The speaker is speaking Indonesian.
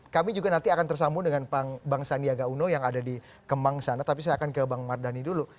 kami juga nanti akan tersambung dengan bang sandiaga uno yang ada di kemang sana tapi saya akan ke bang mardhani dulu